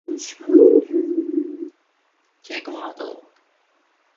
El Lancia Lince fue una copia del Dingo, desarrollado por Lancia en Italia.